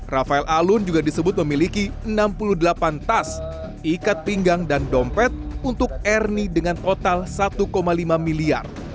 rafael alun juga disebut memiliki enam puluh delapan tas ikat pinggang dan dompet untuk ernie dengan total satu lima miliar